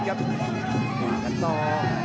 ชาดของสุดท้าย